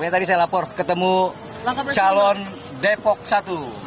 tadi saya lapor ketemu calon depok satu